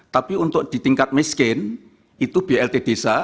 tapi untuk ditingkat miskin itu blt desa